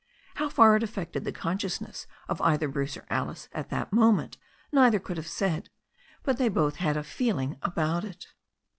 How far it affected the consciousness of either Bruce or Alice at that moment neither could have said; but they both had a "feel ing" about it.